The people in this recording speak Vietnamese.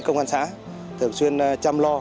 công an xã thường xuyên chăm lo